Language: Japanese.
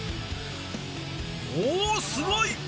おぉすごい！